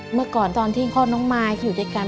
เมื่อก่อนตอนที่พ่อน้องมายอยู่ด้วยกัน